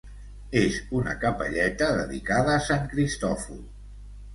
És una capelleta dedicada a Sant Cristòfol.